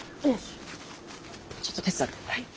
ちょっと手伝って。